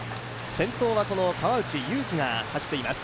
先頭はこの川内優輝が走っています。